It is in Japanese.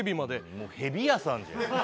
もう蛇屋さんじゃん。